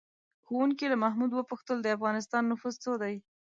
ښوونکي له محمود وپوښتل: د افغانستان نفوس څو دی؟